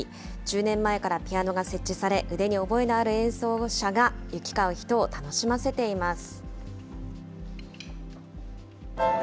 １０年前からピアノが設置され、腕に覚えのある演奏者が行き交う人を楽しませています。